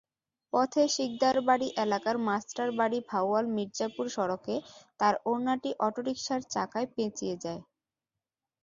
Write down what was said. পথে সিকদারবাড়ি এলাকার মাস্টারবাড়ি-ভাওয়াল মির্জাপুর সড়কে তার ওড়নাটি অটোরিকশার চাকায় পেঁচিয়ে যায়।